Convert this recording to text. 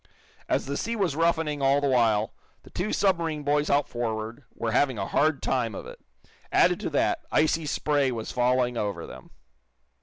As the sea was roughening all the while, the two submarine boys out forward were having a hard time of it. Added to that, icy spray was falling over them.